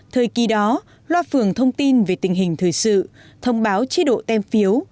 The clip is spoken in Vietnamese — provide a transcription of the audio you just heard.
thời kỳ đó loa phường thông tin về tình hình thời sự thông báo chế độ tem phiếu